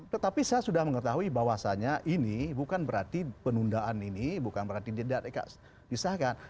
tetapi saya sudah mengetahui bahwasannya ini bukan berarti penundaan ini bukan berarti tidak disahkan